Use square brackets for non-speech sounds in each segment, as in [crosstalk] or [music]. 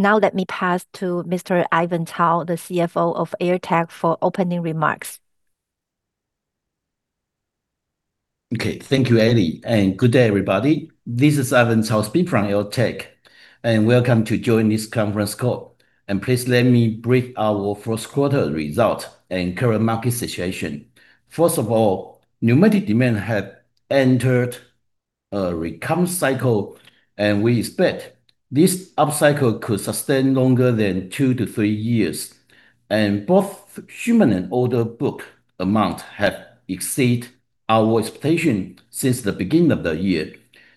Let me pass to Mr. Ivan Tsao, the CFO of AirTAC, for opening remarks. Okay. Thank you, Ellie. Good day, everybody. This is Ivan Tsao speaking from AirTAC, welcome to join this conference call. Please let me brief our first quarter result and current market situation. First of all, pneumatic demand have entered a recover cycle, we expect this upcycle could sustain longer than two-three years. Both revenue and order book amount have exceed our expectation since the beginning of the year.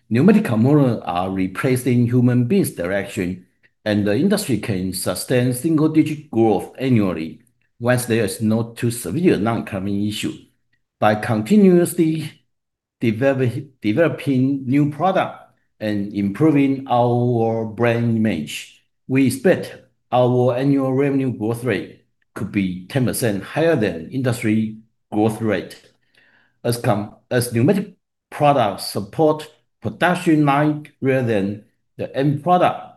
Pneumatic component are replacing human beings' actions, the industry can sustain single-digit growth annually once there is no too severe non-recurring issue. By continuously developing new product and improving our brand image, we expect our annual revenue growth rate could be 10% higher than industry growth rate. As pneumatic products support production line rather than the end product,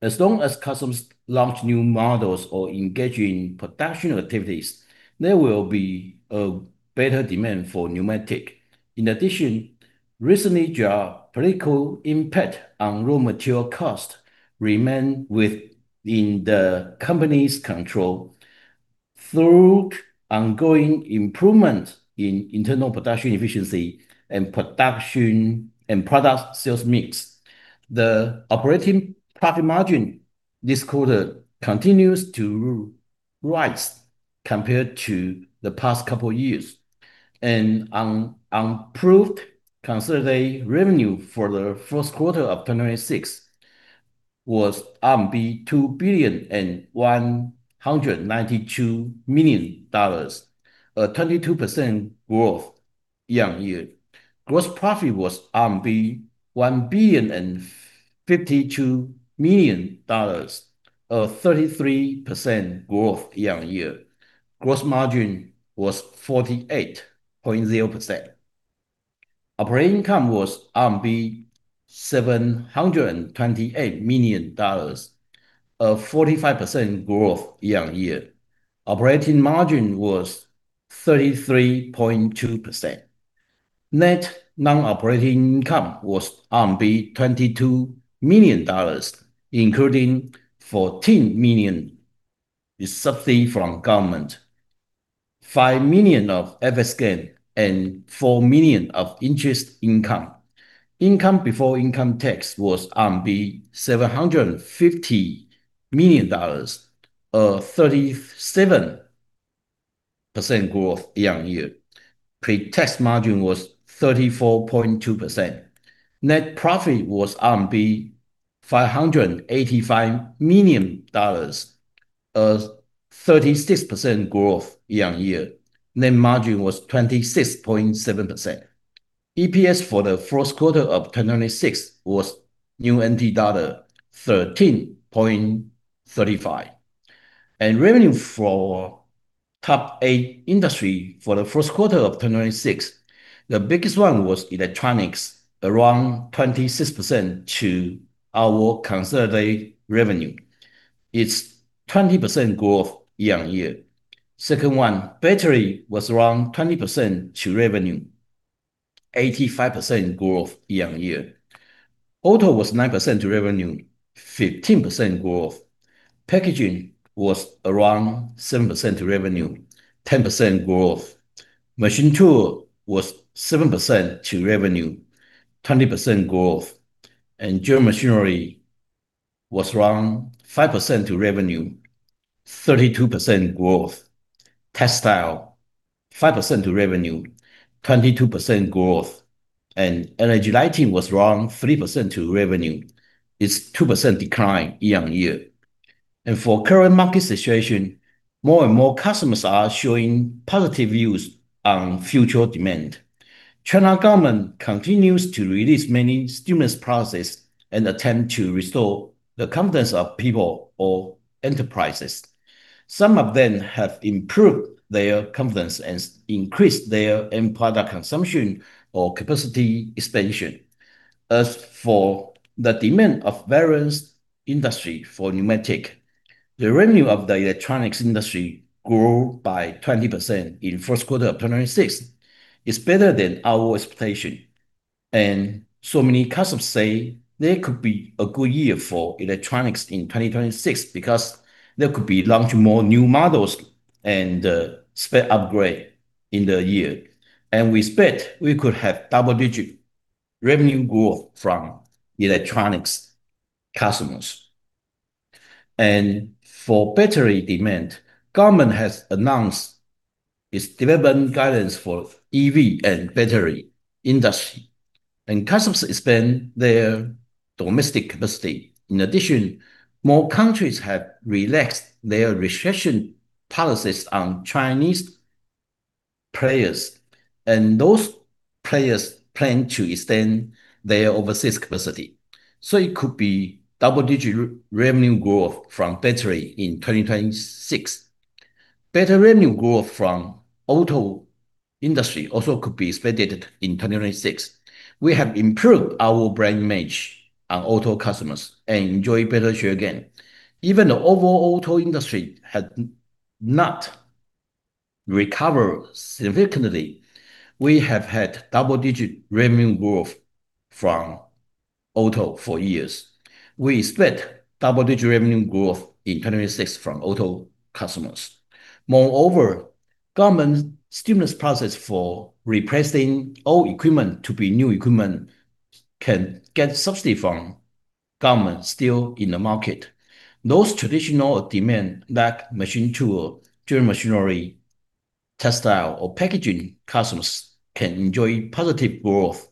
as long as customers launch new models or engage in production activities, there will be a better demand for pneumatic. In addition, recently geopolitical impact on raw material cost remain in the company's control. Through ongoing improvement in internal production efficiency and production and product sales mix, the operating profit margin this quarter continues to rise compared to the past couple years. Un-approved consolidated revenue for the first quarter of 2026 was RMB 2 billion 192 million, a 32% growth year-on-year. Gross profit was 1 billion 52 million, a 33% growth year-on-year. Gross margin was 48.0%. Operating income was RMB 728 million, a 45% growth year-on-year. Operating margin was 33.2%. Net non-operating income was RMB 22 million, including 14 million subsidy from government, 5 million of FX gain, and 4 million of interest income. Income before income tax was RMB 750 million, a 37% growth year-on-year. Pre-tax margin was 34.2%. Net profit was RMB 585 million, a 36% growth year-on-year. Net margin was 26.7%. EPS for the first quarter of 2026 was 13.35. Revenue for top eight industry for the first quarter of 2026, the biggest one was electronics, around 26% to our consolidated revenue. It's 20% growth year-on-year. Second one, battery was around 20% to revenue, 85% growth year-on-year. Auto was 9% to revenue, 15% growth. Packaging was around 7% to revenue, 10% growth. Machine tool was 7% to revenue, 20% growth. General machinery was around 5% to revenue, 32% growth. Textile, 5% to revenue, 22% growth. Energy lighting was around 3% to revenue. It's 2% decline year-over-year. For current market situation, more and more customers are showing positive views on future demand. China government continues to release many stimulus policies and attempt to restore the confidence of people or enterprises. Some of them have improved their confidence and increased their end product consumption or capacity expansion. As for the demand of various industry for pneumatic, the revenue of the electronics industry grew by 20% in first quarter of 2026. It's better than our expectation. Many customers say there could be a good year for electronics in 2026 because there could be launch more new models and spec upgrade in the year. We expect we could have double-digit revenue growth from electronics customers. For battery demand, government has announced its development guidance for EV and battery industry, and customers expand their domestic capacity. In addition, more countries have relaxed their restriction policies on Chinese players, and those players plan to extend their overseas capacity. It could be double-digit revenue growth from battery in 2026. Better revenue growth from auto industry also could be expected in 2026. We have improved our brand image on auto customers and enjoy better share gain. Even the overall auto industry had not recovered significantly, we have had double-digit revenue growth from auto for years. We expect double-digit revenue growth in 2026 from auto customers. Government stimulus process for replacing old equipment to be new equipment can get subsidy from government still in the market. Those traditional demand like machine tool, drill machinery, textile or packaging customers can enjoy positive growth.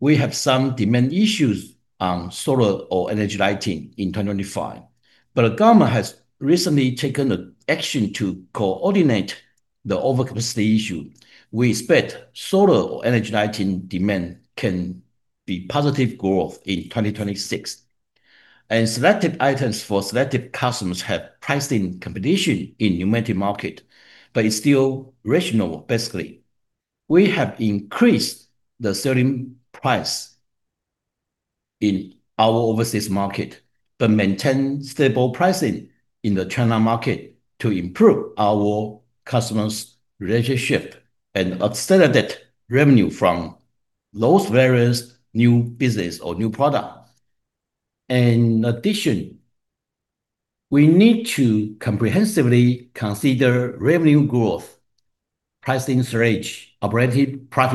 We have some demand issues on solar or energy lighting in 2025. The government has recently taken a action to coordinate the over capacity issue. We expect solar or energy lighting demand can be positive growth in 2026. Selected items for selected customers have priced in competition in pneumatic market, but it's still rational, basically. We have increased the selling price in our overseas market, but maintain stable pricing in the China market to improve our customers' relationship and accelerate revenue from those various new business or new products. In addition, we need to comprehensively consider revenue growth, pricing strategy, OP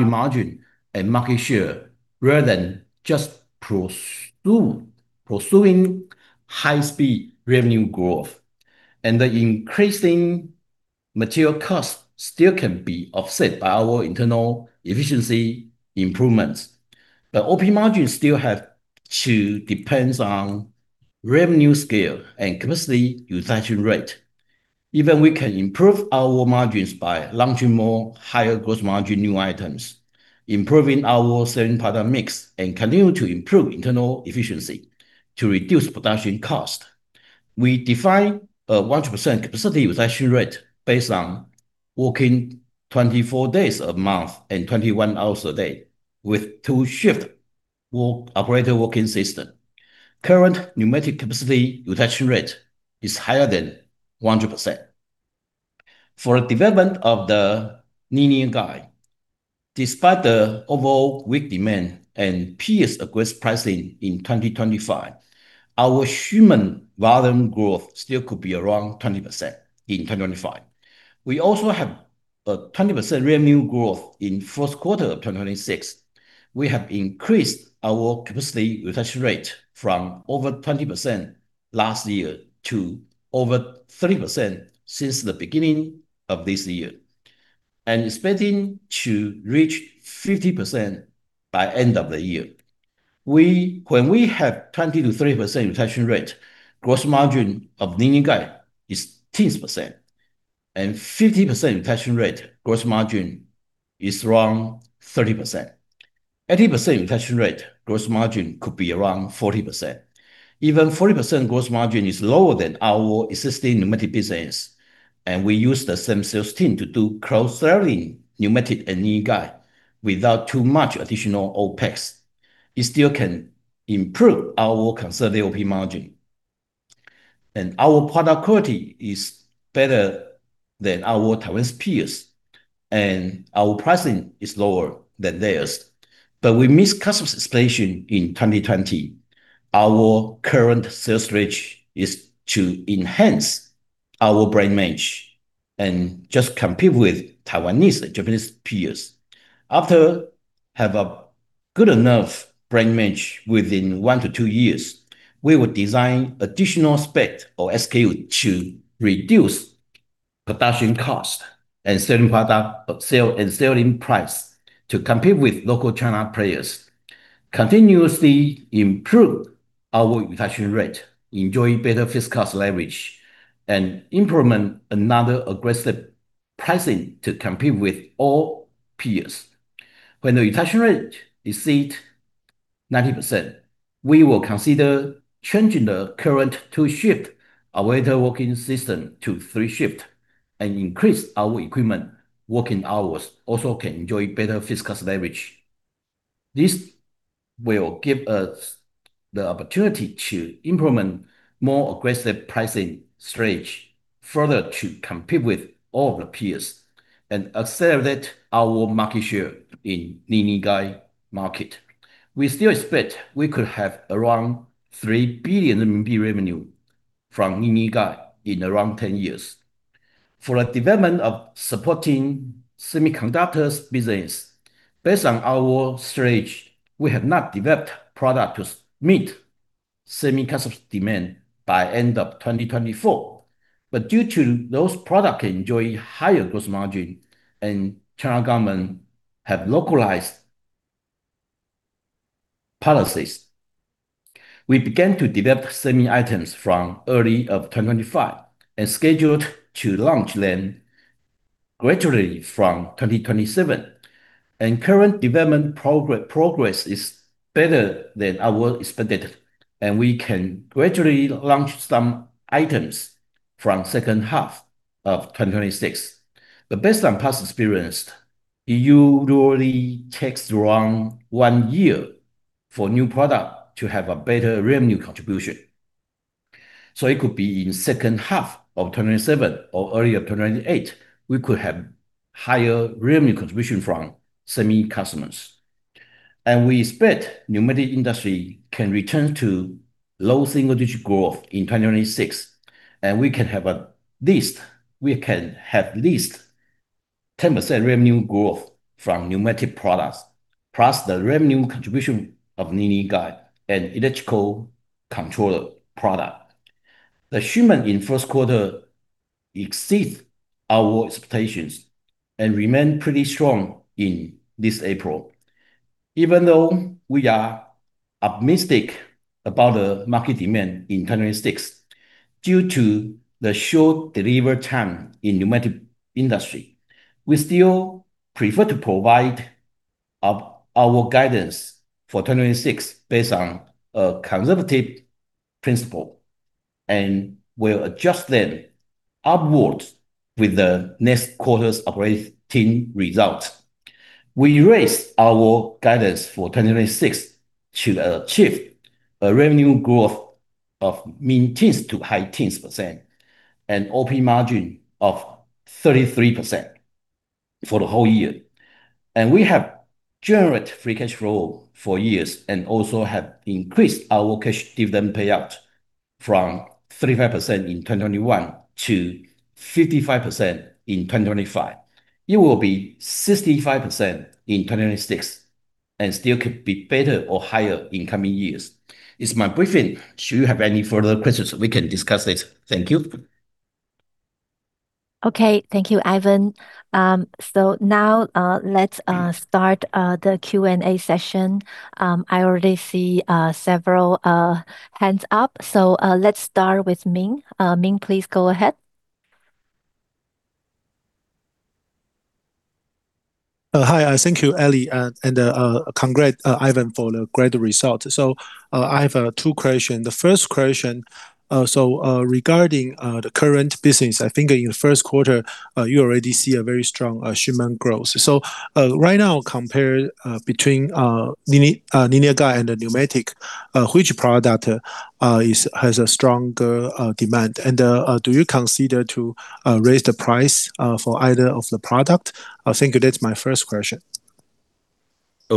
margin, and market share rather than just pursuing high-speed revenue growth. The increasing material cost still can be offset by our internal efficiency improvements. OP margin still have to depends on revenue scale and capacity utilization rate. Even we can improve our margins by launching more higher gross margin new items, improving our selling product mix, and continue to improve internal efficiency to reduce production cost. We define a 100% capacity utilization rate based on working 24 days a month and 21 hours a day with two-shift work operator working system. Current pneumatic capacity utilization rate is higher than 100%. For the development of the linear guide, despite the overall weak demand and peers' aggressive pricing in 2025, our shipment volume growth still could be around 20% in 2025. We also have a 20% revenue growth in first quarter of 2026. We have increased our capacity utilization rate from over 20% last year to over 30% since the beginning of this year, and expecting to reach 50% by end of the year. When we have 20% to 30% utilization rate, gross margin of linear guide is teens percent, and 50% utilization rate gross margin is around 30%. 80% utilization rate gross margin could be around 40%. Even 40% gross margin is lower than our existing pneumatic business, and we use the same sales team to do cross-selling pneumatic and linear guide without too much additional OPEX. It still can improve our consolidated OP margin. Our product quality is better than our Taiwanese peers, and our pricing is lower than theirs. We missed customer expansion in 2020. Our current sales strategy is to enhance our brand image and just compete with Taiwanese and Japanese peers. After have a good enough brand image within one to two years, we will design additional spec or SKU to reduce production cost and sell and selling price to compete with local China players, continuously improve our utilization rate, enjoy better fixed cost leverage, and implement another aggressive pricing to compete with all peers. When the utilization rate exceeds 90%, we will consider changing the current two-shift operator working system to three-shift and increase our equipment working hours also can enjoy better fixed cost leverage. This will give us the opportunity to implement more aggressive pricing strategy further to compete with all the peers and accelerate our market share in linear guide market. We still expect we could have around 3 billion RMB revenue from linear guide in around 10 years. For the development of supporting semiconductors business, based on our strategy, we have not developed product to meet semi customers demand by end of 2024. Due to those product can enjoy higher gross margin and China government have localized policies, we began to develop semi items from early of 2025 and scheduled to launch them gradually from 2027. Current development progress is better than our expected. We can gradually launch some items from second half of 2026. Based on past experience, it usually takes around one year for new product to have a better revenue contribution. It could be in second half of 2027 or early of 2028 we could have higher revenue contribution from semi customers. We expect pneumatic industry can return to low single-digit growth in 2026, and we can have at least 10% revenue growth from pneumatic products, plus the revenue contribution of linear guide and electrical controller product. The shipment in first quarter exceeds our expectations and remain pretty strong in this April. Even though we are optimistic about the market demand in 2026, due to the short delivery time in pneumatic industry, we still prefer to provide our guidance for 2026 based on a conservative principle. We'll adjust them upwards with the next quarter's operating results. We raised our guidance for 2026 to achieve a revenue growth of mid-teens to high-teens percent and OP margin of 33% for the whole year. We have generated free cash flow for years and also have increased our cash dividend payout from 35% in 2021 to 55% in 2025. It will be 65% in 2026. Still could be better or higher in coming years. It's my briefing. Should you have any further questions, we can discuss it. Thank you. Okay. Thank you, Ivan. Now, let's start the Q&A session. I already see several hands up. Let's start with Ming. Ming, please go ahead. Hi. Thank you, Ellie. Congrat, Ivan, for the great result. I have two question. The first question, regarding the current business, I think in the first quarter, you already see a very strong shipment growth. Right now, compared between linear guide and the pneumatic, which product has a stronger demand? Do you consider to raise the price for either of the product? I think that's my first question.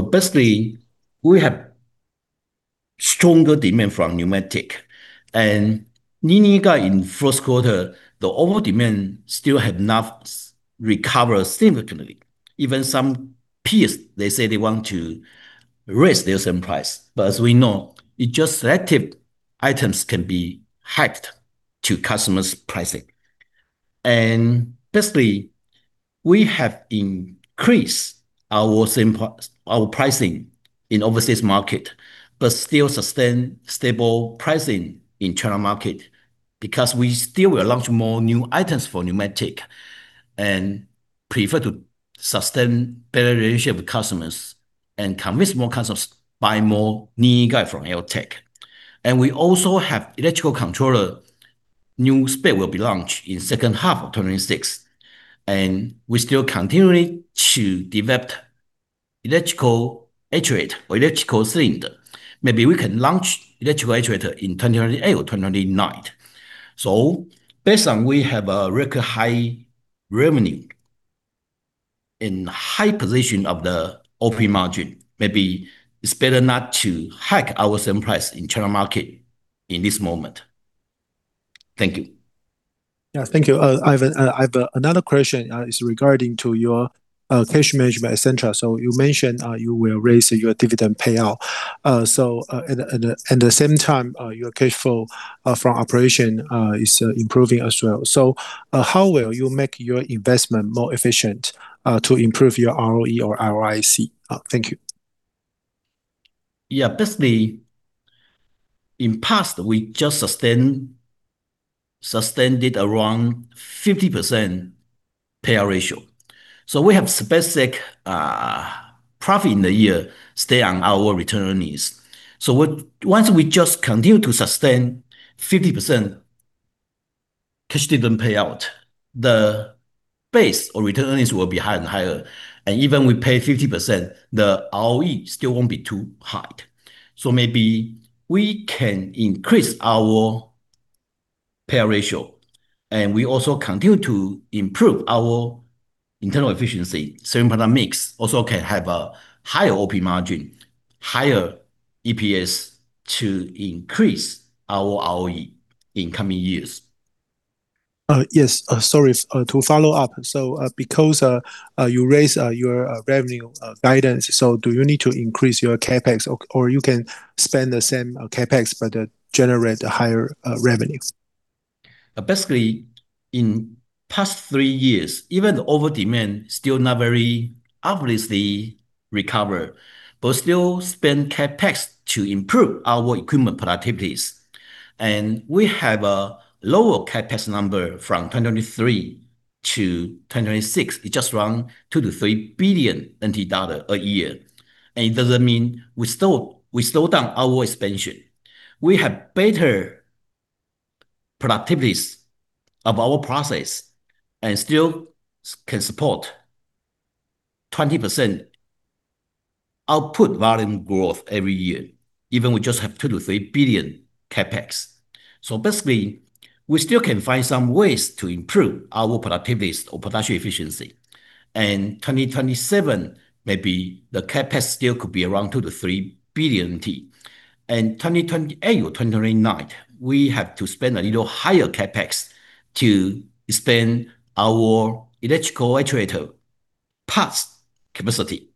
Basically, we have stronger demand from pneumatic. Linear guide in first quarter, the over-demand still have not recovered significantly. Even some peers, they say they want to raise their same price. As we know, it's just selected items can be hiked to customers' pricing. Basically, we have increased our pricing in overseas market, but still sustain stable pricing in China market because we still will launch more new items for pneumatic and prefer to sustain better relationship with customers and convince more customers buy more linear guide from AirTAC. We also have electrical controller. New spec will be launched in second half of 2026, and we still continuing to develop electrical actuator or electric cylinder. Maybe we can launch electrical actuator in 2028 or 2029. Based on we have a record high revenue and high position of the OP margin, maybe it's better not to hike our same price in China market in this moment. Thank you. Yeah. Thank you. Ivan, I have another question, is regarding to your cash management, et cetera. You mentioned, you will raise your dividend payout. The same time, your cash flow from operation, is improving as well. How will you make your investment more efficient, to improve your ROE or ROIC? Thank you. Yeah. Basically, in past, we just sustained it around 50% payout ratio. We have specific profit in the year stay on our retained earnings. Once we just continue to sustain 50% cash dividend payout, the base or retained earnings will be higher and higher. Even we pay 50%, the ROE still won't be too high. Maybe we can increase our payout ratio, and we also continue to improve our internal efficiency. Certain product mix also can have a higher OP margin, higher EPS to increase our ROE in coming years. Yes. Sorry. To follow up. Because you raised your revenue guidance, do you need to increase your CapEx or you can spend the same CapEx but generate a higher revenues? Basically, in past three years, even the over-demand still not very obviously recovered but still spend CapEx to improve our equipment productivities. We have a lower CapEx number from 2023-2026, it just run 2 to 3 billion NT dollar a year. It doesn't mean we slow down our expansion. We have better productivities of our process and still can support 20% output volume growth every year, even we just have 2 to 3 billion CapEx. Basically, we still can find some ways to improve our productivities or production efficiency. 2027, maybe the CapEx still could be around 2 to 3 billion. 2028 or 2029, we have to spend a little higher CapEx to expand our electrical actuator parts capacity.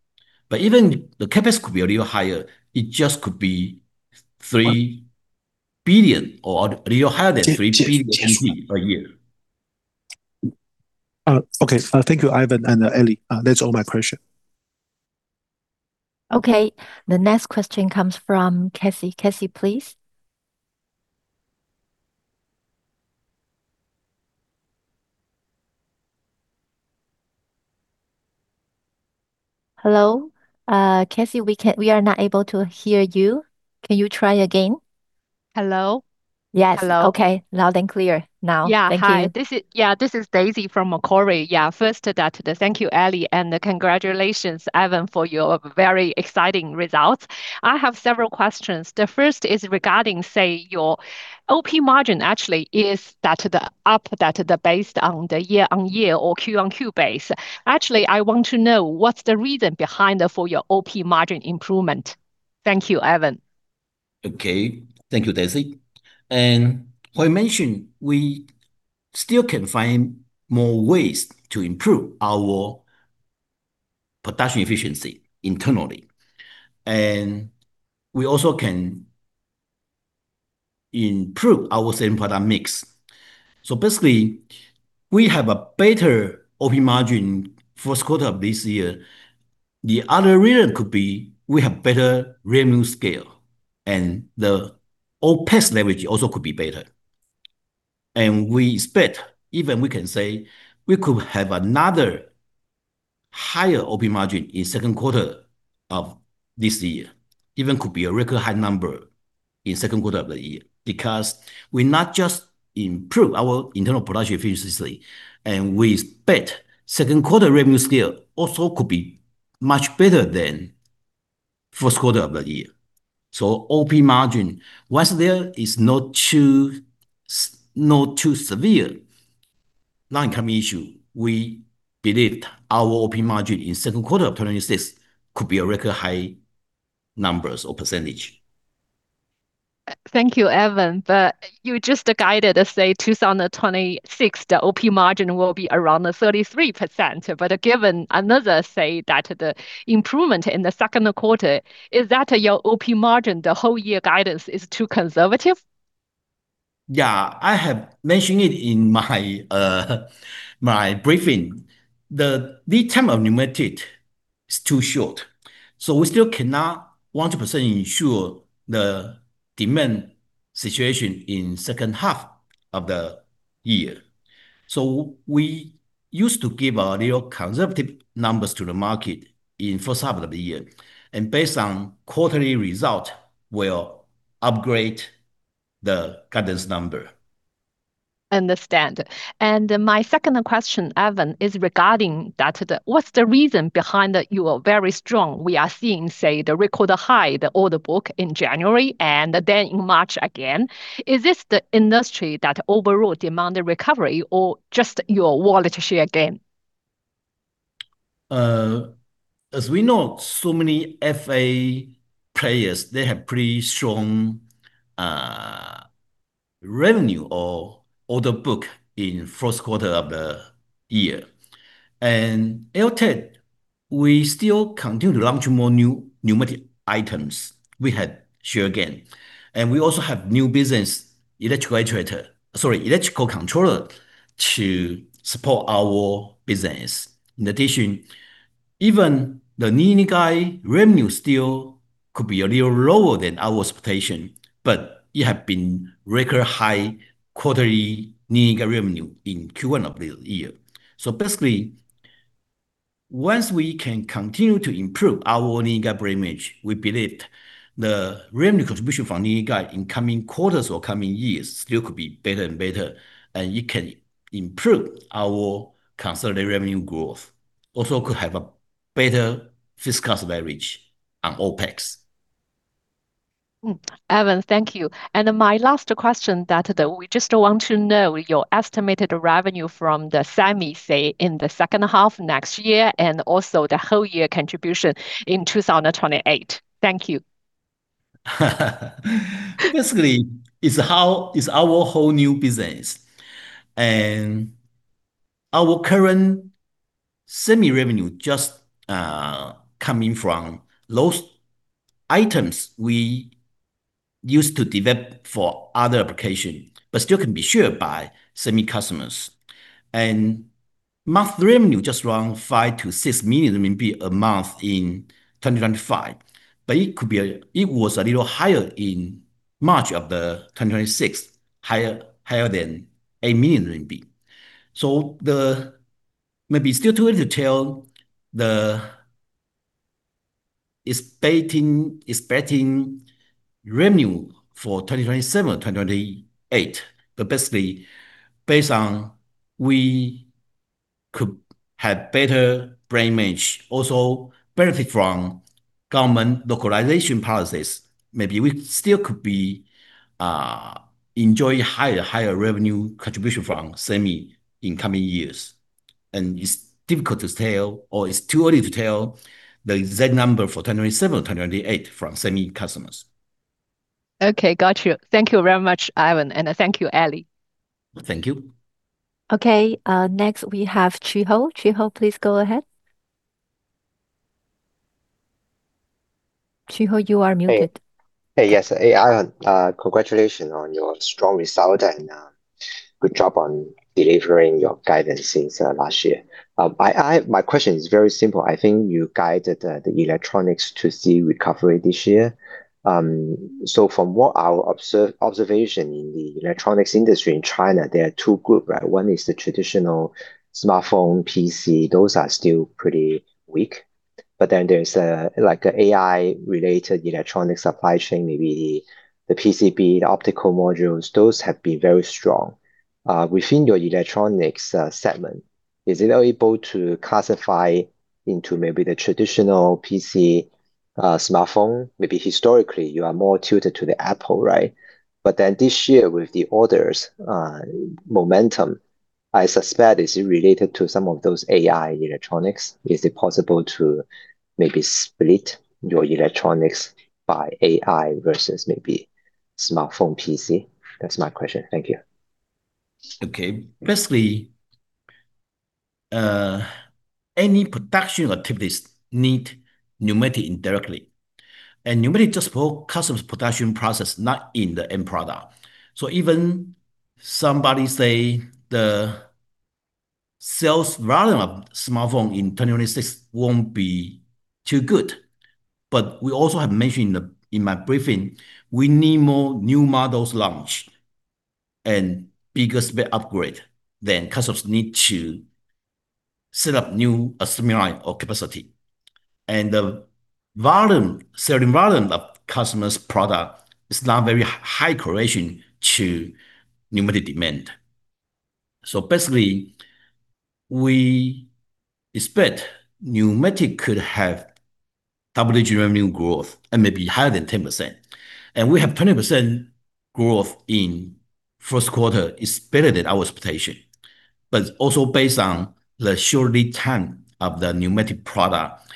Even the CapEx could be a little higher, it just could be 3 billion or a little higher than 3 billion per year. Okay. Thank you, Ivan and Ellie. That's all my question. Okay. The next question comes from Cassie. Cassie, please. Hello? Cassie, we are not able to hear you. Can you try again? Hello? Yes. Hello. Okay. Loud and clear now. Yeah. Hi. Thank you. This is Daisy from Macquarie. First, thank you, Ellie, and congratulations, Ivan, for your very exciting results. I have several questions. The first is regarding your OP margin based on the year-on-year or Q-on-Q base. I want to know what's the reason behind your OP margin improvement. Thank you, Ivan. Okay. Thank you, Daisy. I mentioned we still can find more ways to improve our production efficiency internally. We also can improve our same product mix. Basically, we have a better OP margin first quarter of this year. The other reason could be we have better revenue scale, and the OPEX leverage also could be better. We expect, even we can say, we could have another higher OP margin in second quarter of this year. Even could be a record high number in second quarter of the year. Because we not just improve our internal production efficiency, and we expect second quarter revenue scale also could be much better than first quarter of the year. OP margin, once there is no too severe non-income issue, we believe our OP margin in second quarter of 2026 could be a record high numbers or percentage. Thank you, Ivan, you just guided, say 2026, the OP margin will be around the 33%. Given another say that the improvement in the second quarter, is that your OP margin, the whole year guidance is too conservative? Yeah. I have mentioned it in my briefing. The lead time of pneumatic is too short, so we still cannot 100% ensure the demand situation in second half of the year. We used to give a real conservative numbers to the market in first half of the year, and based on quarterly result, we'll upgrade the guidance number. Understand. My second question, Ivan, is regarding what's the reason behind your very strong, we are seeing, the record high order book in January, and then in March again. Is this the industry that overall demand a recovery or just your wallet share gain? As we know, so many FA players, they have pretty strong revenue or order book in first quarter of the year. AirTAC, we still continue to launch more new pneumatic items we had share gain. We also have new business electrical controller to support our business. In addition, even the linear guide revenue still could be a little lower than our expectation, but it have been record high quarterly linear guide revenue in Q1 of this year. Basically, once we can continue to improve our linear guide brand image, we believe the revenue contribution from linear guide in coming quarters or coming years still could be better and better, and it can improve our consolidated revenue growth. Also could have a better fixed cost leverage on OPEX. Ivan, thank you. My last question that we just want to know your estimated revenue from the semi, say, in the second half next year, and also the whole year contribution in 2028. Thank you. Basically, it's our whole new business. Our current semi revenue just coming from those items we used to develop for other application but still can be shared by semi customers. Monthly revenue just around 5 to 6 million a month in 2025. It was a little higher in March of the 2026, higher than 8 million RMB. The, maybe still too early to tell the expecting revenue for 2027, 2028. Basically, based on we could have better brand image, also benefit from government localization policies. Maybe we still could be enjoy higher revenue contribution from semi in coming years. It's difficult to tell or it's too early to tell the exact number for 2027, 2028 from semi customers. Okay. Got you. Thank you very much, Ivan, and, thank you, Allie. Thank you. Okay. next we have Jui-Chuan Chih. Jui-Chuan Chih, please go ahead. Jui-Chuan Chih, you are muted. Hey. Hey, yes. Hey, Ivan, congratulations on your strong result and good job on delivering your guidance since last year. My question is very simple. I think you guided the electronics to see recovery this year. From what I observation in the electronics industry in China, there are two groups, right? One is the traditional smartphone, PC. Those are still pretty weak. There's a AI related electronic supply chain, maybe the PCB, the optical modules, those have been very strong. Within your electronics segment, is it able to classify into maybe the traditional PC, smartphone? Maybe historically you are more tilted to the Apple, right? This year with the orders momentum, I suspect is related to some of those AI electronics. Is it possible to maybe split your electronics by AI versus maybe smartphone, PC? That's my question. Thank you. Okay. Basically, any production activities need pneumatic indirectly. Pneumatic just for customers production process, not in the end product. Even somebody say the sales volume of smartphone in 2026 won't be too good, but we also have mentioned in my briefing, we need more new models launch and bigger spec upgrade, then customers need to set up new assembly line or capacity. The volume, certain volume of customers' product is not very high correlation to pneumatic demand. Basically, we expect pneumatic could have double-digit revenue growth and maybe higher than 10%. We have 20% growth in first quarter, it's better than our expectation. Also based on the short lead time of the pneumatic product,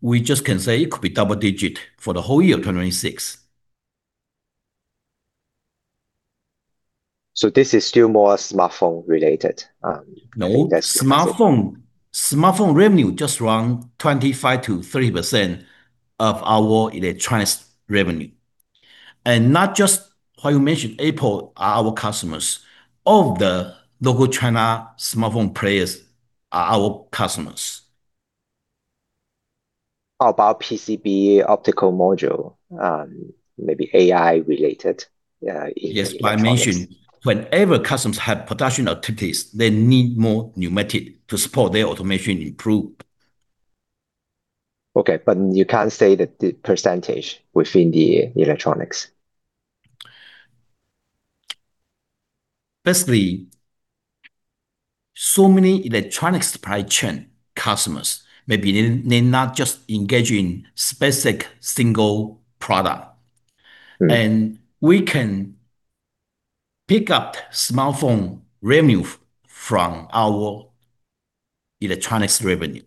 we just can say it could be double digit for the whole year of 2026. This is still more smartphone related. No. That's correct. Smartphone revenue just around 25% to 30% of our electronics revenue. Not just how you mentioned Apple are our customers, all of the local China smartphone players are our customers. How about PCB optical module, maybe AI related, in electronics? Yes. I mentioned whenever customers have production activities, they need more pneumatic to support their automation improve. Okay. you can't say the percentage within the electronics? So many electronic supply chain customers, maybe they not just engage in specific single product. Mm-hmm. We can pick up smartphone revenue from our electronics revenue.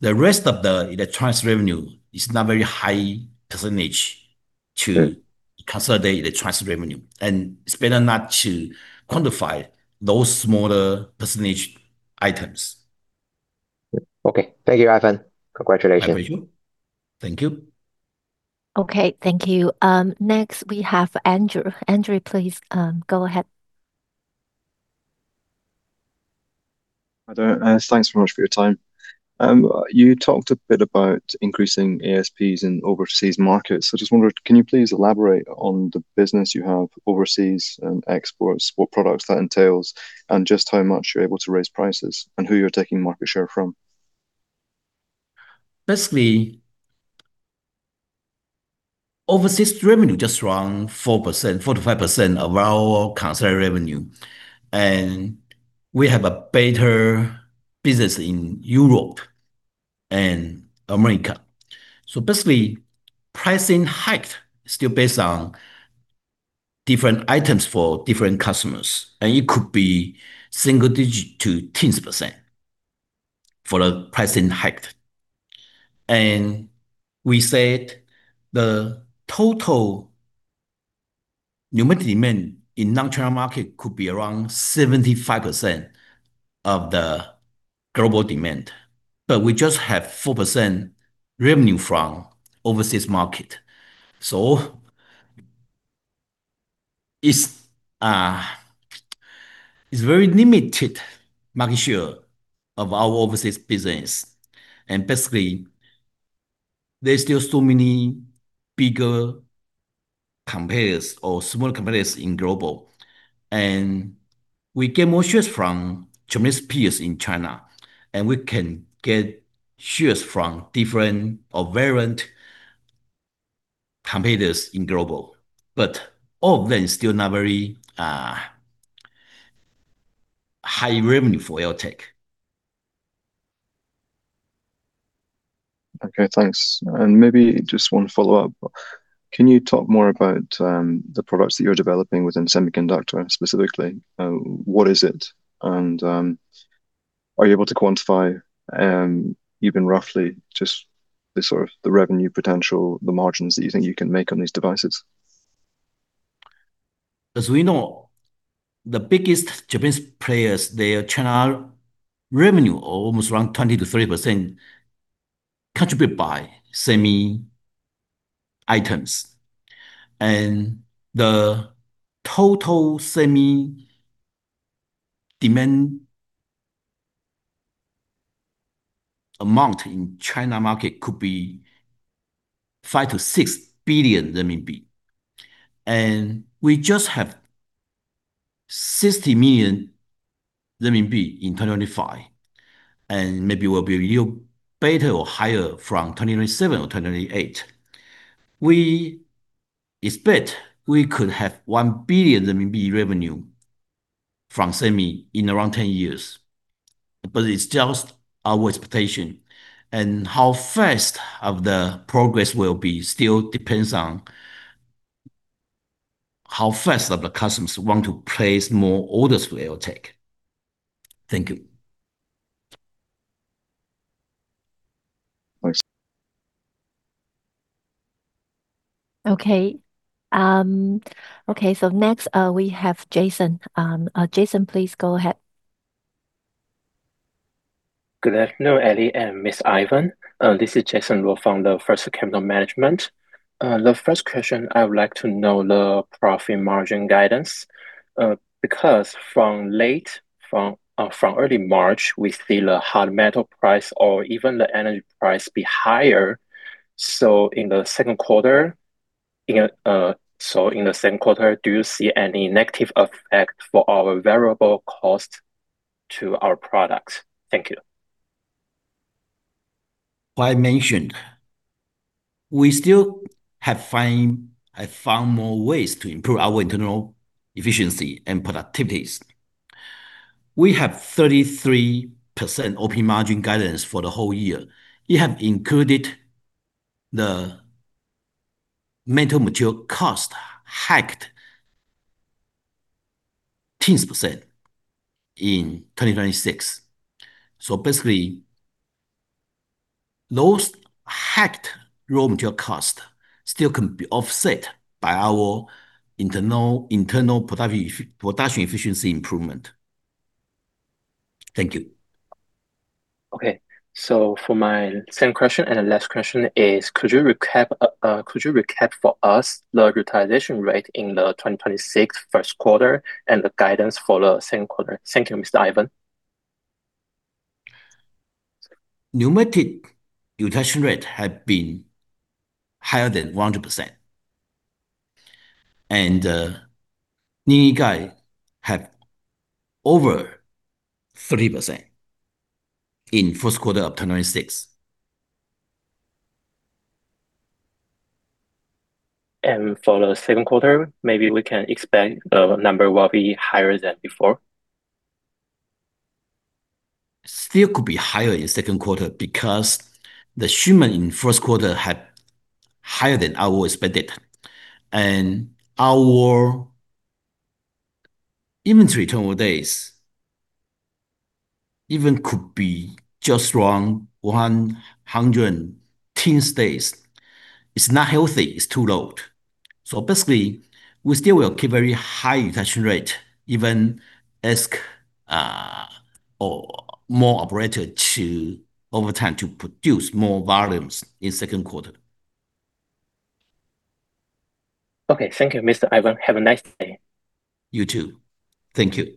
The rest of the electronics revenue is not very high percentage. Mm-hmm consolidate electronics revenue. It's better not to quantify those smaller percentage items. Okay. Thank you, Ivan. Congratulations. I appreciate. Thank you. Okay. Thank you. Next, we have Andrew. Andrew, please, go ahead. Hi there, thanks so much for your time. You talked a bit about increasing ASPs in overseas markets. I just wonder, can you please elaborate on the business you have overseas and exports, what products that entails, and just how much you're able to raise prices, and who you're taking market share from? Overseas revenue just around 4%, 4% to 5% of our consolidated revenue, and we have a better business in Europe and America. Basically, pricing hike is still based on different items for different customers, and it could be single digit to teens of percent for the pricing hike. We said the total pneumatic demand in non-China market could be around 75% of the global demand, but we just have 4% revenue from overseas market. It's very limited market share of our overseas business. Basically, there's still so many bigger competitors or smaller competitors in global. We get more shares from Chinese peers in China, and we can get shares from different or variant competitors in global. All of them still not very high revenue for AirTAC. Okay, thanks. Maybe just one follow-up. Can you talk more about the products that you're developing within semiconductor and specifically, what is it? Are you able to quantify, even roughly, just the sort of the revenue potential, the margins that you think you can make on these devices? As we know, the biggest Japanese players, their China revenue are almost around 20% to 30% contribute by semi-items. The total semi demand amount in China market could be 5 to 6 billion renminbi. We just have 60 million renminbi in 2025, maybe we'll be a little better or higher from 2027 or 2028. We expect we could have 1 billion RMB revenue from semi in around 10 years. It's just our expectation. How fast of the progress will be still depends on how fast that the customers want to place more orders for AirTAC. Thank you. Of course. Okay. Next, we have Jason. Jason, please go ahead. Good afternoon, Ellie and Mr. Ivan. This is Jason Lo from the First Capital Management. The first question, I would like to know the profit margin guidance, because from early March, we see the hard metal price or even the energy price be higher. In the second quarter, you know, do you see any negative effect for our variable cost to our product? Thank you. I mentioned we still have found more ways to improve our internal efficiency and productivities. We have 33% OP margin guidance for the whole year. It have included the metal material cost hiked 10% in 2026. Basically, those hiked raw material cost still can be offset by our internal production efficiency improvement. Thank you. Okay. For my second question and the last question is could you recap for us the utilization rate in the 2026 first quarter and the guidance for the second quarter? Thank you, Mr. Ivan. Pneumatic utilization rate have been higher than 100%. Linear guide have over 3% in first quarter of 2026. For the second quarter, maybe we can expect the number will be higher than before? Still could be higher in second quarter because the shipment in first quarter had higher than I would expect it. Our inventory turn days even could be just around 100-teens days. It's not healthy, it's too low. Basically, we still will keep very high utilization rate, even ask or more operator to overtime to produce more volumes in second quarter. Okay. Thank you, Mr. Ivan. Have a nice day. You too. Thank you.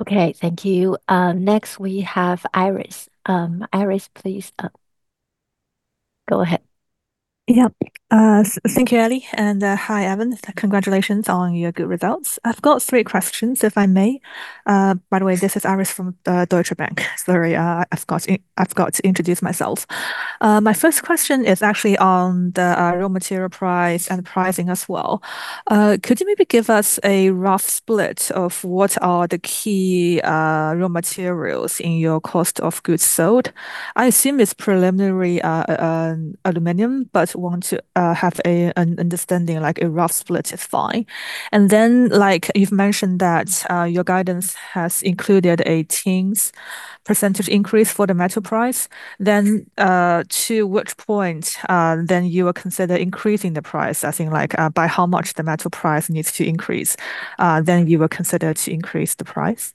Okay. Thank you. Next we have Iris. Iris, please, go ahead. Yeah. Thank you, Ellie. Hi, Ivan. Congratulations on your good results. I've got three questions, if I may. By the way, this is Iris from Deutsche Bank. Sorry, I forgot to introduce myself. My first question is actually on the raw material price and pricing as well. Could you maybe give us a rough split of what are the key raw materials in your cost of goods sold? I assume it's primarily aluminum, but want to have an understanding, like a rough split is fine. Like you've mentioned that your guidance has included a teens percent increase for the metal price. To which point, then you will consider increasing the price? I think like, by how much the metal price needs to increase, then you will consider to increase the price.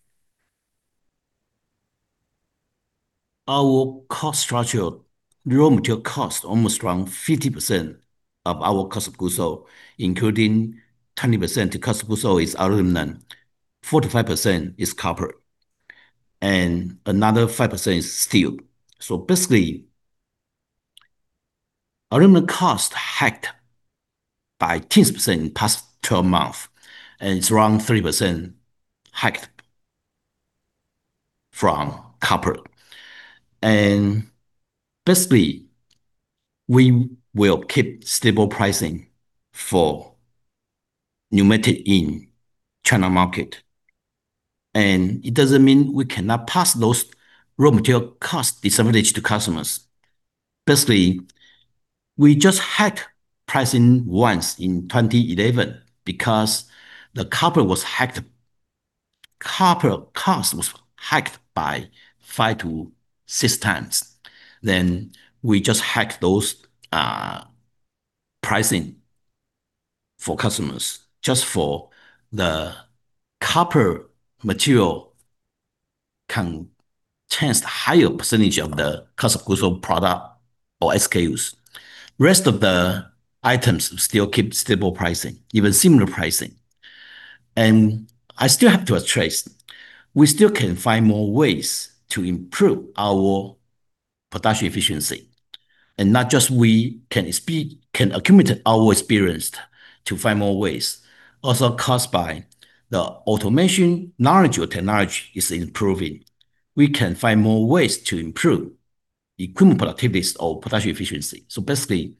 Our cost structure, raw material cost almost around 50% of our cost of goods sold, including 20% cost of goods sold is aluminum, 45% is copper, and another 5% is steel. Basically, aluminum cost hiked by 10% in past 12 month, and it's around 3% hiked from copper. Basically, we will keep stable pricing for pneumatic in China market. It doesn't mean we cannot pass those raw material cost disadvantage to customers. Basically, we just hike pricing once in 2011 because the copper was hiked. Copper cost was hiked by five to six times. We just hiked those pricing for customers just for the copper material can change the higher percentage of the cost of goods of product or SKUs. Rest of the items still keep stable pricing, even similar pricing. I still have to trace. We still can find more ways to improve our production efficiency. Not just we can accumulate our experience to find more ways, also caused by the automation knowledge or technology is improving. We can find more ways to improve equipment productivity or production efficiency. Basically,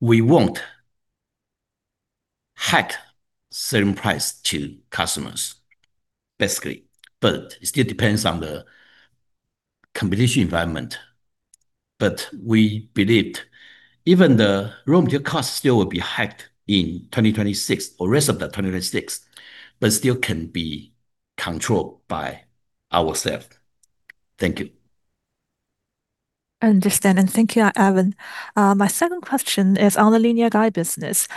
we won't hike certain price to customers, basically, but it still depends on the competition environment. We believed even the raw material cost still will be hiked in 2026 or rest of the 2026, but still can be controlled by ourselves. Thank you. Understand. Thank you, Ivan. My second question is on the linear guide business,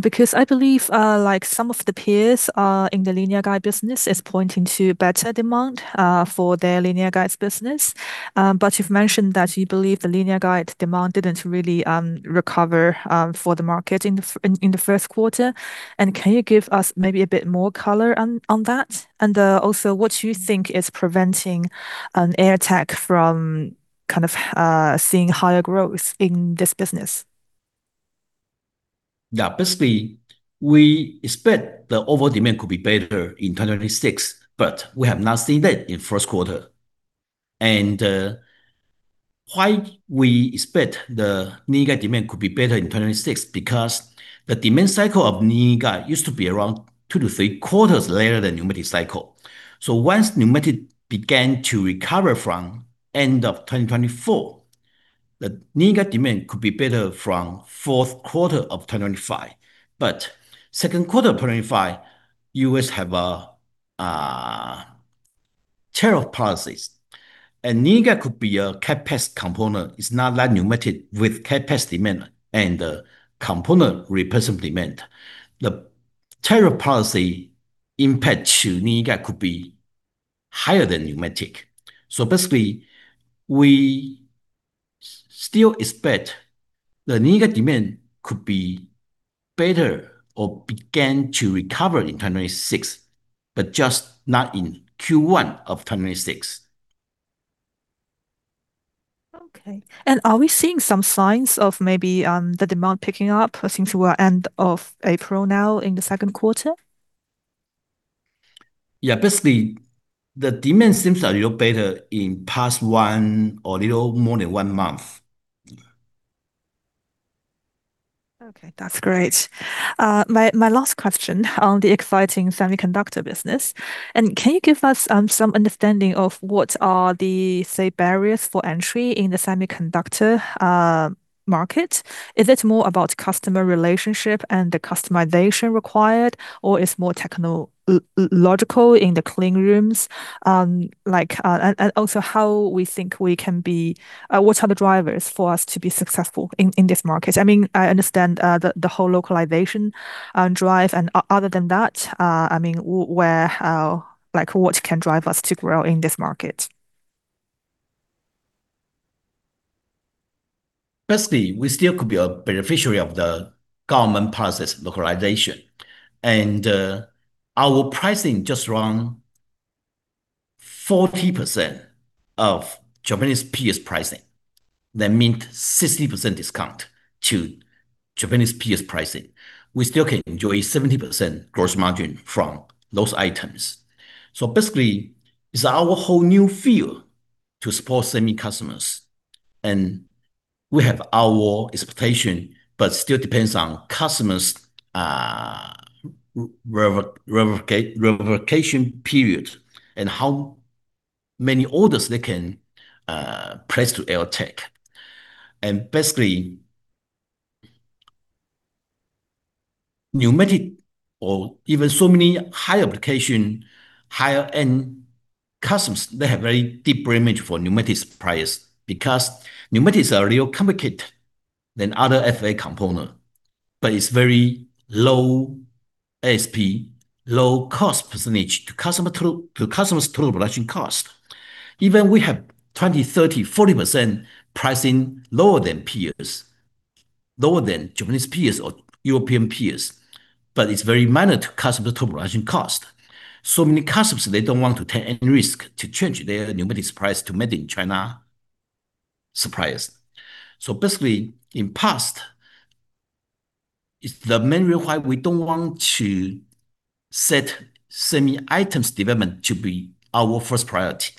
because I believe like some of the peers in the linear guide business is pointing to better demand for their linear guide business. But you've mentioned that you believe the linear guide demand didn't really recover for the market in the first quarter. Can you give us maybe a bit more color on that? Also, what do you think is preventing AirTAC from kind of seeing higher growth in this business? Basically, we expect the overall demand could be better in 2026, we have not seen that in first quarter. Why we expect the linear demand could be better in 2026 because the demand cycle of linear used to be around two to three quarters later than pneumatic cycle. Once pneumatic began to recover from end of 2024, the linear demand could be better from fourth quarter of 2025. But second quarter of 2025, U.S. have a tariff policies. Linear could be a capped price component. It's not like pneumatic with capped price demand and a component replacement demand. The tariff policy impact to linear could be higher than pneumatic. Basically, we still expect the linear demand could be better or begin to recover in 2026, just not in Q1 of 2026. Okay. Are we seeing some signs of maybe, the demand picking up since we're end of April now in the second quarter? Yeah. Basically, the demand seems a little better in past one or little more than one month. Okay. That's great. My last question on the exciting semiconductor business. Can you give us some understanding of what are the, say, barriers for entry in the semiconductor market? Is it more about customer relationship and the customization required, or it's more technological in the clean rooms? Like, and also what are the drivers for us to be successful in this market? I mean, I understand the whole localization drive. Other than that, I mean, where, how, like, what can drive us to grow in this market? We still could be a beneficiary of the government process localization. Our pricing just around 40% of Japanese peers pricing. That mean 60% discount to Japanese peers pricing. We still can enjoy 70% gross margin from those items. It's our whole new field to support semi customers, and we have our expectation, but still depends on customers' revocation period and how many orders they can place to AirTAC. Pneumatic or even so many high application, higher end customers, they have very deep image for pneumatic supplier because pneumatics are a little complicated than other FA component. It's very low ASP, low cost percentage to customer's total production cost. Even we have 20%, 30%, 40% pricing lower than peers, lower than Japanese peers or European peers, but it's very minor to customer total production cost. Many customers, they don't want to take any risk to change their pneumatic price to made in China suppliers. Basically, in past, it's the main reason why we don't want to set semi items development to be our first priority.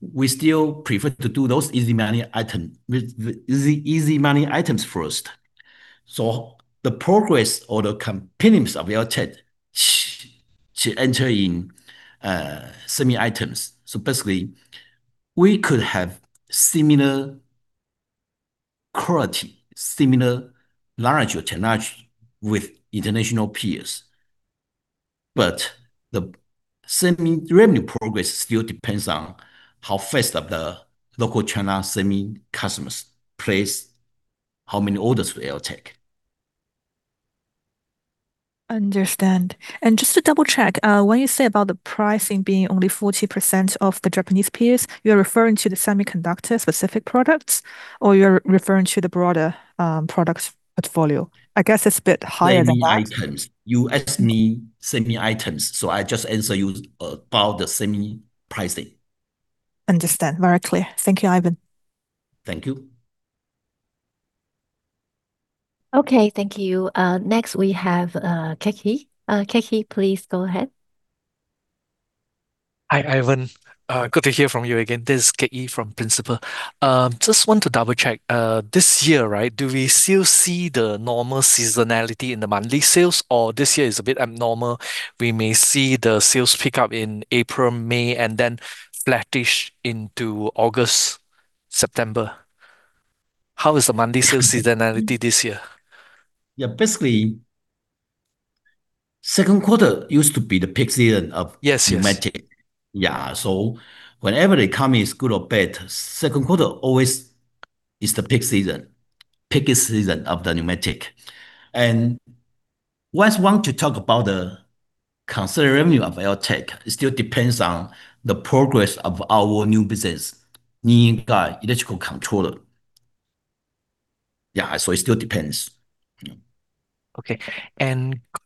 We still prefer to do those easy money item with the easy money items first. The progress or the competitiveness of AirTAC to enter in semi items. Basically, we could have similar quality, similar large technology with international peers. The semi revenue progress still depends on how fast of the local China semi customers place how many orders with AirTAC. Understand. Just to double-check, when you say about the pricing being only 40% of the Japanese peers, you're referring to the semiconductor-specific products, or you're referring to the broader, product portfolio? I guess it's a bit higher than that. Semi items. You asked me semi items, so I just answer you about the semi pricing. Understand. Very clear. Thank you, Ivan. Thank you. Okay. Thank you. Next we have, KekYee. KekYee, please go ahead. Hi, Ivan. good to hear from you again. This is KekYee from Principal. just want to double-check. this year, right, do we still see the normal seasonality in the monthly sales, or this year is a bit abnormal, we may see the sales pick up in April, May, and then flattish into August, September? How is the monthly sales seasonality this year? Yeah, basically second quarter used to be the peak season. Yes. pneumatic. Yeah. Whenever the economy is good or bad, second quarter always is the peaky season of the pneumatic. Once want to talk about the consumer revenue of AirTAC, it still depends on the progress of our new business, Ningbo electrical controller. Yeah, it still depends. Okay.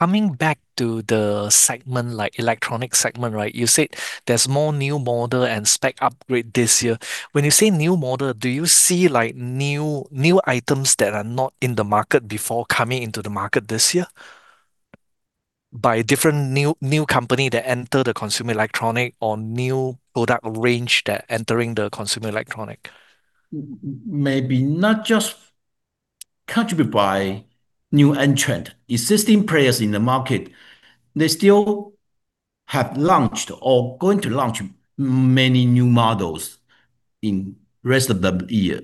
Coming back to the segment like electronic segment, right? You said there's more new model and spec upgrade this year. When you say new model, do you see like new items that are not in the market before coming into the market this year by a different new company that enter the consumer electronic or new product range that entering the consumer electronic? Maybe not just contribute by new entrant. Existing players in the market, they still have launched or going to launch many new models in rest of the year.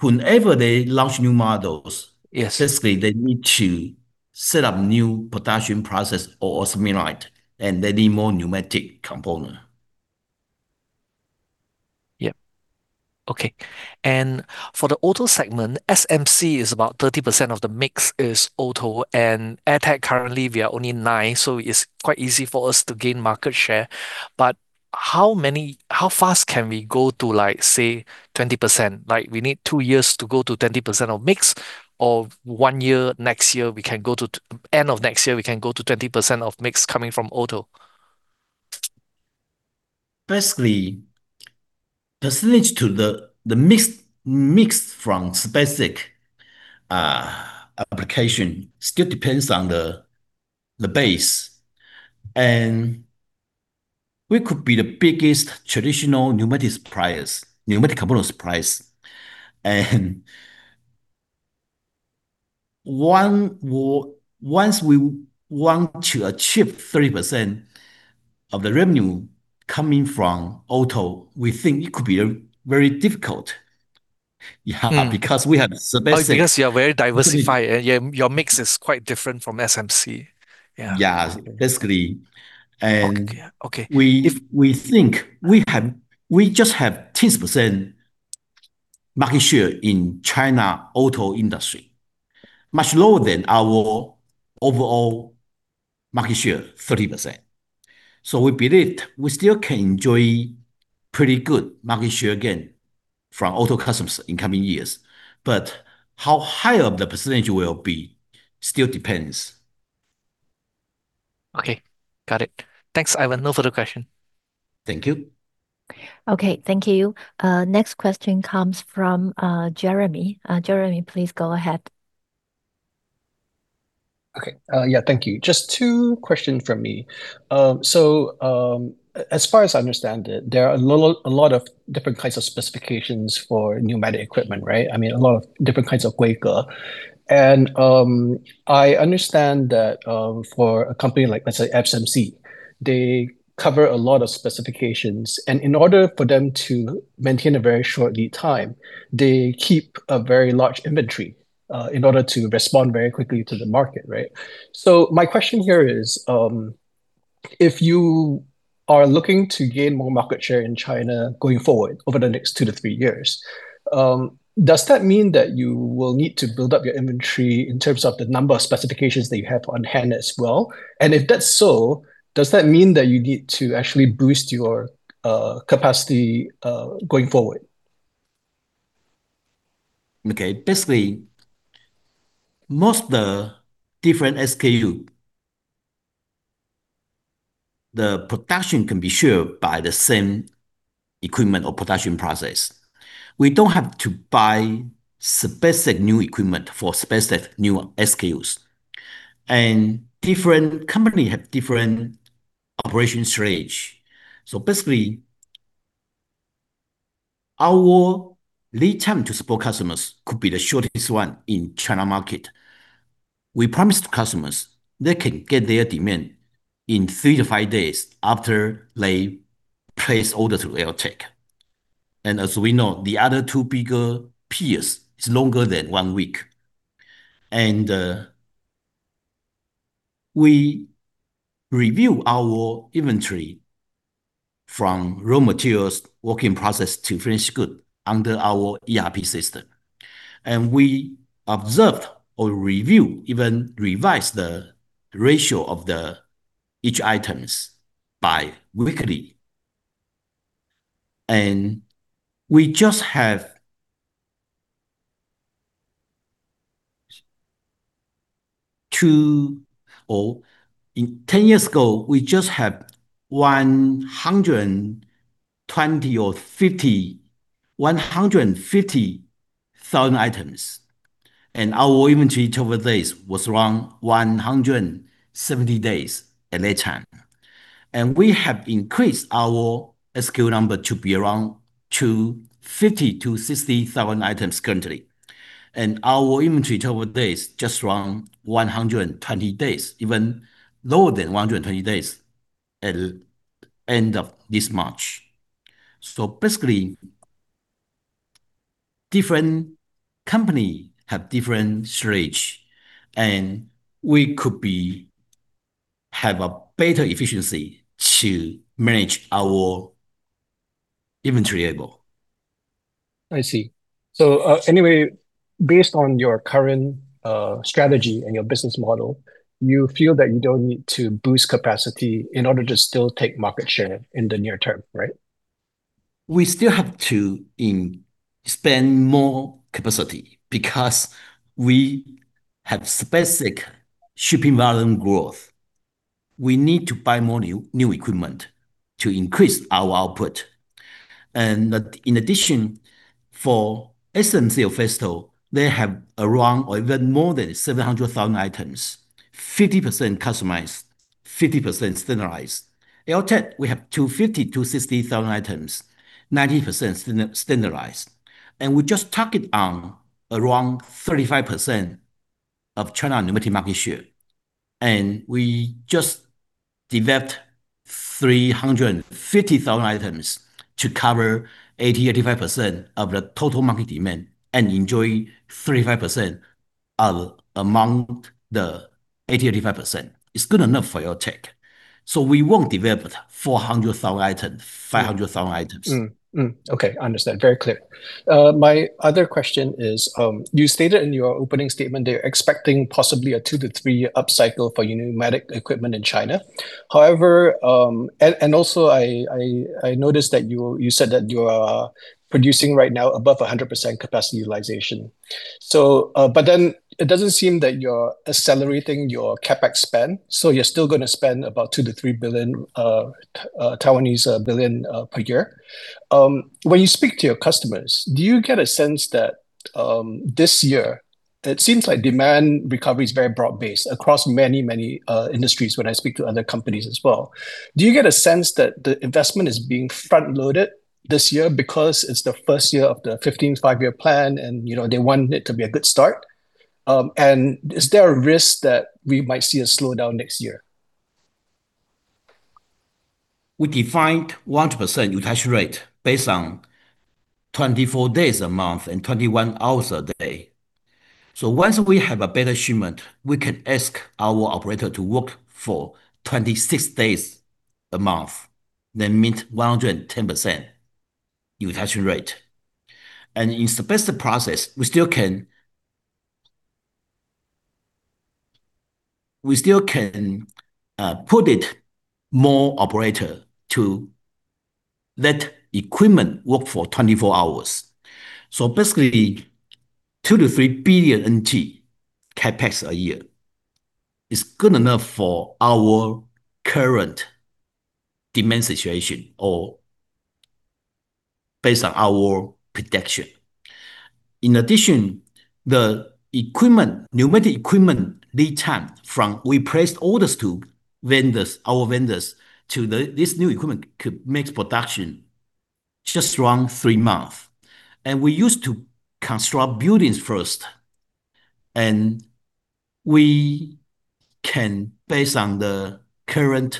Whenever they launch new models. Yes Basically, they need to set up new production process or assembly line, and they need more pneumatic component. Yeah. Okay. For the auto segment, SMC is about 30% of the mix is auto, and AirTAC currently we are only 9%, so it's quite easy for us to gain market share. How fast can we go to like, say, 20%? Like, we need two years to go to 30% of mix or one year, end of next year, we can go to 30% of mix coming from auto? Basically, percentage to the mix from specific application still depends on the base. We could be the biggest traditional pneumatic suppliers, pneumatic components suppliers. Once we want to achieve 30% of the revenue coming from auto, we think it could be very difficult. Yeah. Hmm. Because we have specific- Oh, because you are very diversified and your mix is quite different from SMC. Yeah. Yeah. Basically. Okay. Yeah. Okay. We think we just have 10% market share in China auto industry, much lower than our overall market share, 30%. We believe we still can enjoy pretty good market share gain from auto customers in coming years. How high of the percentage will be still depends. Okay. Got it. Thanks, Ivan. No further question. Thank you. Okay. Thank you. Next question comes from Jeremy. Jeremy, please go ahead. Okay. Yeah. Thank you. Just two question from me. As far as I understand it, there are a lot of different kinds of specifications for pneumatic equipment, right? I mean, a lot of different kinds of. [inaudible] And i understand that for a company like let's say SMC, they cover a lot of specifications and in order for them to maintain a very short time they keep a very large inventory in order to respond quickly to the market right. If you are looking to gain more market share in China going forward over the next two to three years, does that mean that you will need to build up your inventory in terms of the number of specifications that you have on hand as well? If that's so, does that mean that you need to actually boost your capacity going forward? Okay. Basically, most the different SKU, the production can be shared by the same equipment or production process. We don't have to buy specific new equipment for specific new SKUs. Different company have different operation storage. Basically, our lead time to support customers could be the shortest one in China market. We promised customers they can get their demand in three to five days after they place order through AirTAC. As we know, the other two bigger peers is longer than one week. We review our inventory from raw materials, work in process to finished good under our ERP system, and we observe or review, even revise the ratio of the each items by weekly. We just have two. 10 years ago, we just have 120,000 or 150,000 items, and our inventory turnover days was around 170 days at that time. And we have increased our SKU number to be around 50,000 to 60,000 items currently. And our inventory turnover days just around 120 days, even lower than 120 days at end of this March. So basically, different company have different storage, and we could be have a better efficiency to manage our inventory level. I see. Anyway, based on your current strategy and your business model, you feel that you don't need to boost capacity in order to still take market share in the near term, right? We still have to spend more capacity because we have specific shipping volume growth. We need to buy more new equipment to increase our output. In addition, for SMC or Festo, they have around or even more than 700,000 items, 50% customized, 50% standardized. AirTAC, we have 250 to 60,000 items, 90% standardized. We just target on around 35% of China pneumatic market share. We just developed 350,000 items to cover 80% to 85% of the total market demand and enjoy 35% of amount the 80% to 85%. It's good enough for AirTAC. We won't develop 400,000 items, 500,000 items. Okay. Understand. Very clear. My other question is, you stated in your opening statement that you're expecting possibly a two to three year upcycle for pneumatic equipment in China. However, and also I noticed that you said that you are producing right now above 100% capacity utilization. It doesn't seem that you're accelerating your CapEx spend, so you're still gonna spend about 2 to 3 billion per year. When you speak to your customers, do you get a sense that this year it seems like demand recovery is very broad-based across many, many industries when I speak to other companies as well. Do you get a sense that the investment is being front-loaded this year because it's the first year of the 15th Five-Year Plan and, you know, they want it to be a good start? Is there a risk that we might see a slowdown next year? We defined 100% utilization rate based on 24 days a month and 21 hours a day. Once we have a better shipment, we can ask our operator to work for 26 days a month, then meet 110% utilization rate. In specific process, we still can put it more operator to let equipment work for 24 hours. Basically, 2 to 3 billion CapEx a year is good enough for our current demand situation or based on our prediction. In addition, the equipment, pneumatic equipment lead time from we placed orders to vendors, our vendors, to the this new equipment could makes production just around three month. We used to construct buildings first, and we can, based on the current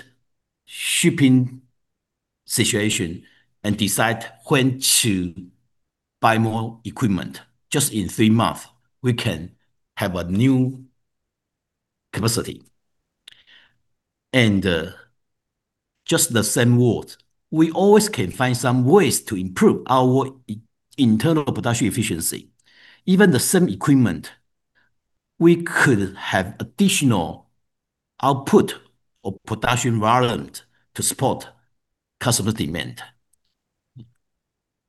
shipping situation and decide when to buy more equipment. Just in three months, we can have a new capacity. Just the same world, we always can find some ways to improve our internal production efficiency. Even the same equipment, we could have additional output or production volume to support customer demand.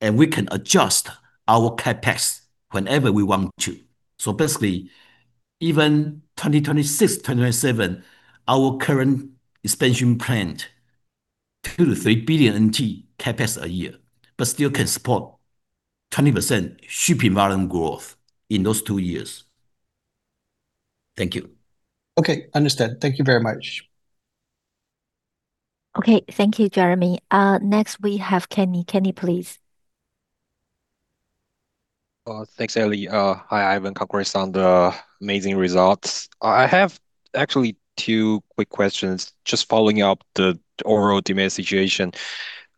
We can adjust our CapEx whenever we want to. Even 2026, 2027, our current expansion plant, 2 to 3 billion CapEx a year, still can support 20% shipping volume growth in those two years. Thank you. Okay. Understood. Thank you very much. Okay. Thank you, Jeremy. Next we have Kenny. Kenny, please. Thanks, Ellie. Hi, Ivan. Congrats on the amazing results. I have actually two quick questions just following up the overall demand situation.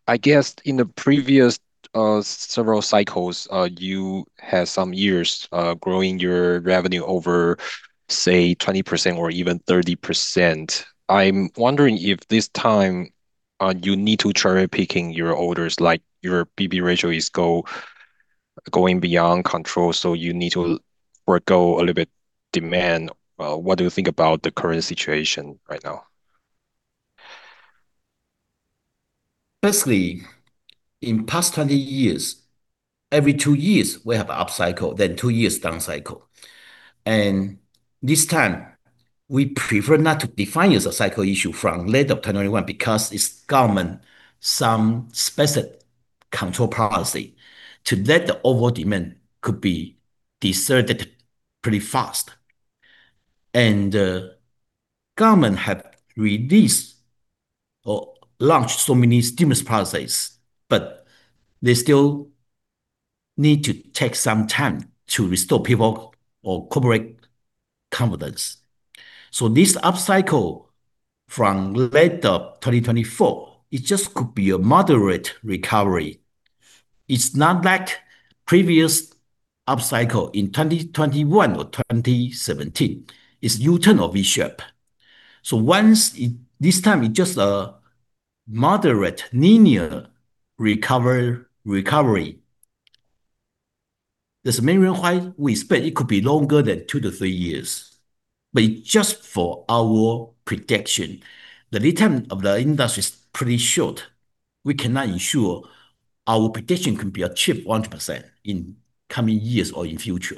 I guess in the previous several cycles, you had some years growing your revenue over, say, 20% or even 30%. I'm wondering if this time, you need to cherry-picking your orders, like your PB ratio is going beyond control, so you need to forego a little bit demand. What do you think about the current situation right now? Firstly, in past 20 years, every two years we have up cycle, then two years down cycle. This time, we prefer not to define as a cycle issue from late of 2021 because it's government some specific control policy to let the over-demand could be deserted pretty fast. Government have released or launched so many stimulus policies, they still need to take some time to restore people or corporate confidence. This up cycle from late of 2024, it just could be a moderate recovery. It's not like previous up cycle in 2021 or 2017. It's U-turn of V-shape. This time it's just a moderate linear recovery. That's the main reason why we expect it could be longer than two to three years. Just for our prediction, the return of the industry is pretty short. We cannot ensure our prediction can be achieved 100% in coming years or in future.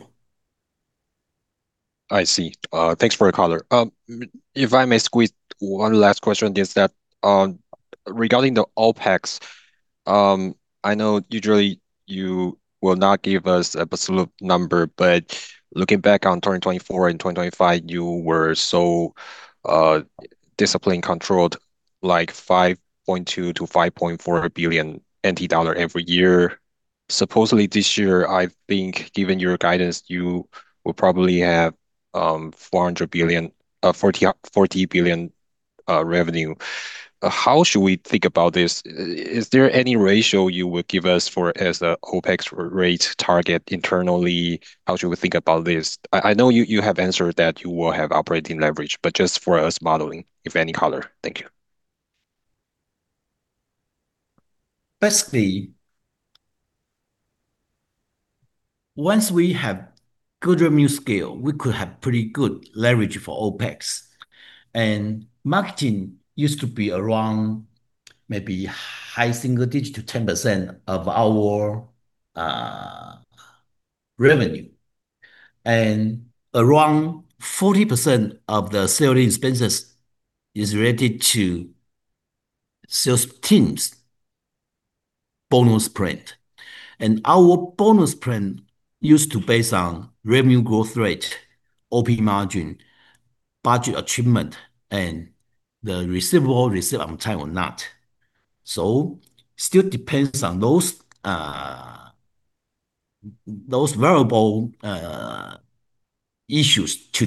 I see. Thanks for your color. If I may squeeze one last question, is that regarding the OpEx, I know usually you will not give us absolute number, but looking back on 2024 and 2025, you were so disciplined controlled, like 5.2 to 5.4 billion every year. Supposedly this year, I think given your guidance, you will probably have 40 billion revenue. How should we think about this? Is there any ratio you would give us for as an OpEx rate target internally? How should we think about this? I know you have answered that you will have operating leverage, but just for us modeling, if any color. Thank you. Basically, once we have good revenue scale, we could have pretty good leverage for OPEX. Marketing used to be around maybe high single digit to 10% of our revenue. Around 40% of the selling expenses is related to sales teams' bonus plan. Our bonus plan used to base on revenue growth rate, OP margin, budget achievement, and the receivable received on time or not. Still depends on those variable issues to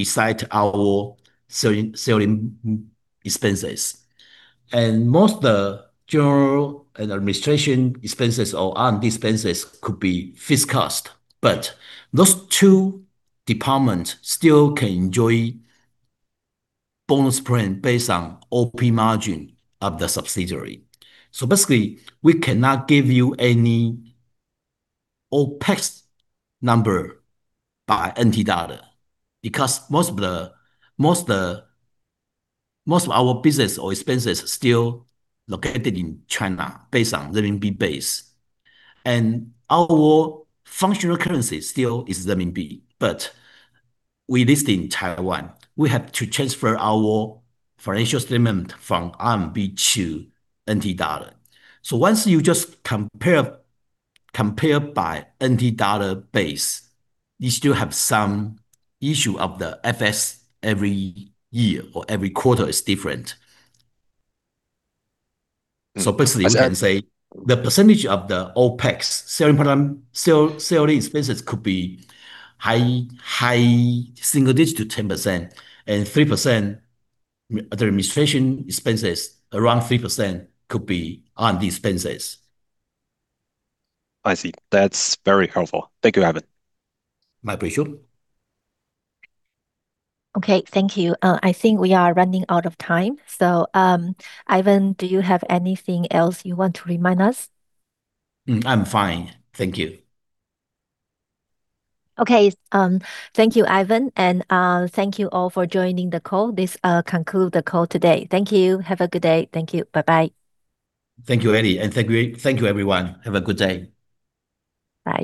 decide our selling expenses. Most the general and administration expenses or R&D expenses could be fixed cost, but those two departments still can enjoy bonus plan based on OP margin of the subsidiary. Basically, we cannot give you any OpEx number by TWD because most of our business or expenses still located in China based on renminbi base. Our functional currency still is renminbi, but we list in Taiwan. We have to transfer our financial statement from RMB to TWD. Once you just compare by TWD base, you still have some issue of the FS every year or every quarter is different. Basically. Understood I can say the percentage of the OPEX, selling product, selling expenses could be high, high single digit to 10%, and 3% administration expenses, around 3% could be R&D expenses. I see. That's very helpful. Thank you, Ivan. My pleasure. Okay. Thank you. I think we are running out of time. Ivan, do you have anything else you want to remind us? I'm fine. Thank you. Okay. thank you, Ivan. thank you all for joining the call. This conclude the call today. Thank you. Have a good day. Thank you. Bye bye. Thank you, Ellie. Thank you everyone. Have a good day. Bye.